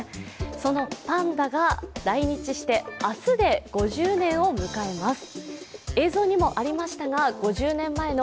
そのパンダが来日して明日で５０年を迎えます。